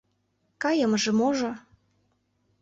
Кайымыже-можо...